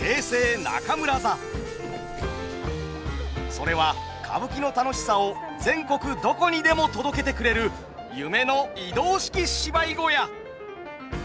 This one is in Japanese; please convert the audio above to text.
それは歌舞伎の楽しさを全国どこにでも届けてくれる夢の移動式芝居小屋。